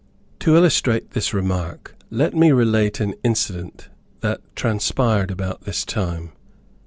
To illustrate this remark let me relate an incident that transpired about this time.